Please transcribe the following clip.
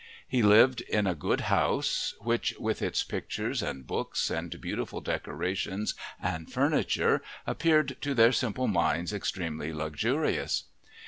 He lived in a good house, which with its pictures and books and beautiful decorations and furniture appeared to their simple minds extremely luxurious.